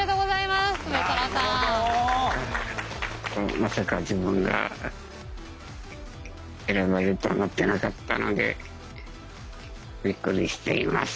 まさか自分が選ばれると思ってなかったのでびっくりしています。